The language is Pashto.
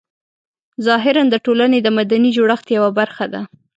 ظاهراً د ټولنې د مدني جوړښت یوه برخه ده.